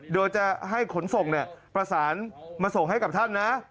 โดยจะให้ขนส่งประสานมาส่งให้กับท่านนะ